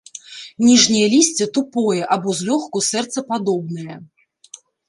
Ніжняе лісце тупое або злёгку сэрцападобнае.